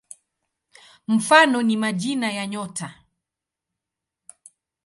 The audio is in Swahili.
Mfano ni majina ya nyota.